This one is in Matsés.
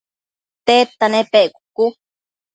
tedta nepec?cucu